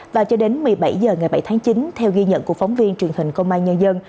và cho đến một mươi bảy h ngày bảy tháng chín theo ghi nhận của phóng viên truyền hình công an nhân dân